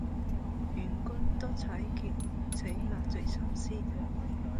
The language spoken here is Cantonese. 願君多采擷，此物最相思。